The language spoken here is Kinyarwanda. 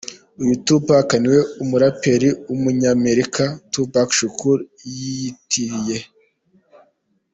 Uyu Tupac niwe umuraperi w’umunyamerika Tupac Shakur yiyitiriye.